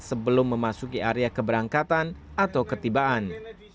sebelum memasuki area keberangkatan atau ketibaan